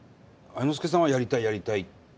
愛之助さんはやりたいやりたい。